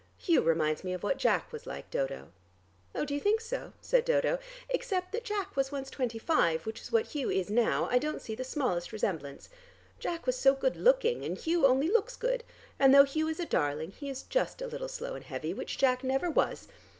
Hugh reminds me of what Jack was like, Dodo." "Oh, do you think so?" said Dodo. "Except that Jack was once twenty five, which is what Hugh is now, I don't see the smallest resemblance. Jack was so good looking, and Hugh only looks good, and though Hugh is a darling, he is just a little slow and heavy, which Jack never was.